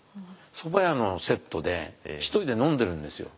蕎麦屋のセットで一人で飲んでるんですよ。